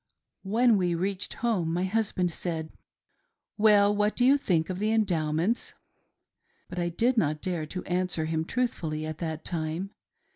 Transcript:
When we reached home, my husband said :" Well, what do you think of the Endowments?" But I did not dare to answer him truthfully at that time.